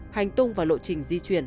hành tung và lộ trình di chuyển